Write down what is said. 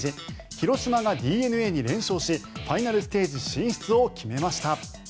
広島がＤｅＮＡに連勝しファイナルステージ進出を決めました。